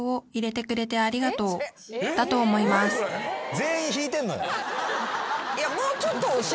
全員引いてんのよ。